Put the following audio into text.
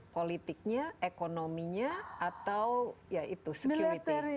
politiknya ekonominya atau ya itu security